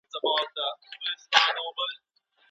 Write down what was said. بریا د هغو کسانو په برخه ده چي سختو کارونو ته چمتو دي.